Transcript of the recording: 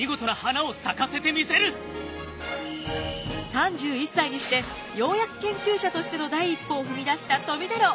３１歳にしてようやく研究者としての第一歩を踏み出した富太郎。